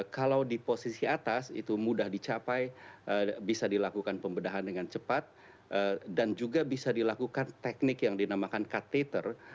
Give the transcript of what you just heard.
kalau di posisi atas itu mudah dicapai bisa dilakukan pembedahan dengan cepat dan juga bisa dilakukan teknik yang dinamakan catheter